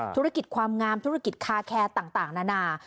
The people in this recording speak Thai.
ธุรกิจความงามธุรกิจคาแคร์ต่างนานา